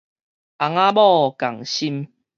翁仔某仝心